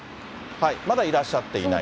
まだいらっしゃっていない？